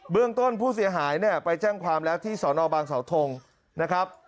เบื้องต้นผู้เสียหายไปแจ้งความละที่สนบางสาธงศ์นะครับ